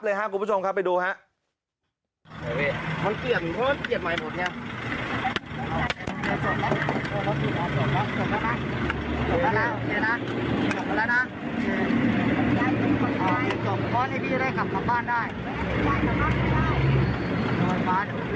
ครับคุณผู้ชมครับไปดูครับ